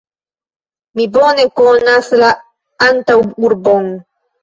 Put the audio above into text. Mi bone konas la antaŭurbon.